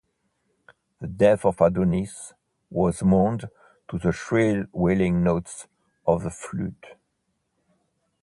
The death of Adonis was mourned to the shrill wailing notes of the flute.